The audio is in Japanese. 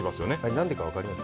何でか分かります？